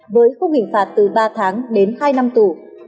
với khung hình phạt từ ba tháng đến hai năm tù